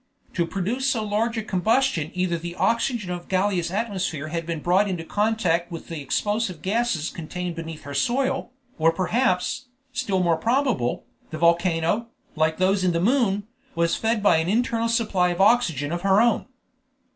To produce so large a combustion either the oxygen of Gallia's atmosphere had been brought into contact with the explosive gases contained beneath her soil, or perhaps, still more probable, the volcano, like those in the moon, was fed by an internal supply of oxygen of her own.